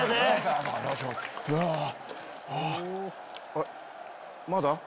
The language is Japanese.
あれ⁉まだ？